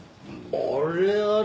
あれあれ？